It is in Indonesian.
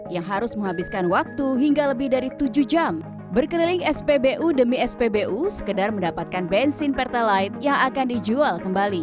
yang harus menghabiskan waktu hingga lebih dari tujuh jam berkeliling spbu demi spbu sekedar mendapatkan bensin pertalite yang akan dijual kembali